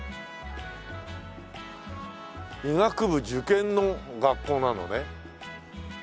医学部受験の学校なのね。